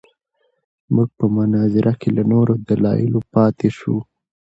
موږ په مناظره کې له نورو دلایلو پاتې شوو.